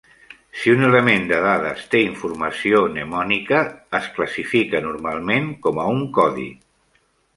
Si un element de dades té informació mnemònica, es classifica normalment com a un codi.